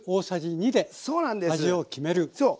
そう。